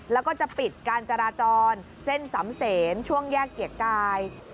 แล้วก็จะปิดการจราจรเส้นสำเสนช่วงแยกเกียรติกาย